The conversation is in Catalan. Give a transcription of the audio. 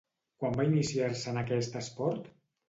Quan va iniciar-se en aquest esport?